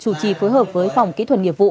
chủ trì phối hợp với phòng kỹ thuật nghiệp vụ